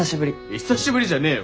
久しぶりじゃねえよ。